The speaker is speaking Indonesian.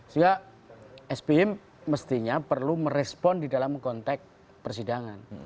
sehingga sby mestinya perlu merespon di dalam konteks persidangan